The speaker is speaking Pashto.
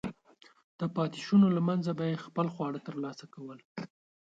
د پاتېشونو له منځه به یې خپل خواړه ترلاسه کول.